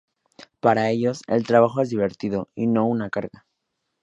Para ellos, el trabajo es divertido y no una carga.